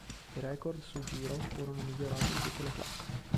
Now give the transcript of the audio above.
I record sul giro furono migliorati in tutte le classi.